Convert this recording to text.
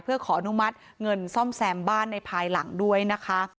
เพื่อขออนุมัติเงินซ่อมแซมบ้านในภายหลังด้วยนะคะ